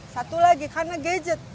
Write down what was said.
satu lagi karena gadget